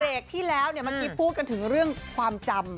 ไปรีบที่แล้วเนี่ยมันพูดกันถึงเรื่องความจำ